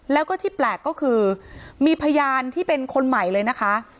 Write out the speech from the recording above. แล้วก็ที่แปลกก็คือมีพยานที่เป็นคนใหม่เลยนะคะ